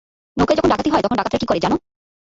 নৌকায় যখন ডাকাতি হয়, তখন ডাকাতরা কী করে, জান?